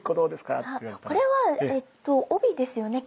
これはえっと帯ですよね？